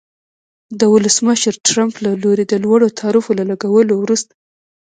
د ولسمشر ټرمپ له لوري د لوړو تعرفو له لګولو وروسته